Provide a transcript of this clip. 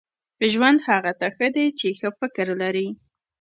• ژوند هغه ته ښه دی چې ښه فکر لري.